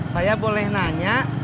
saya boleh nanya